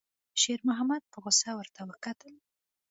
شېرمحمد په غوسه ورته وکتل.